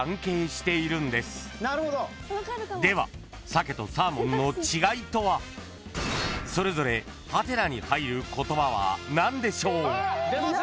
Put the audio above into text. ［では鮭とサーモンの違いとはそれぞれ？に入る言葉は何でしょう？］